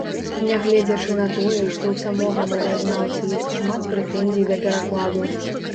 Нягледзячы на тое, што ў самога мовазнаўцы ёсць шмат прэтэнзій да перакладу.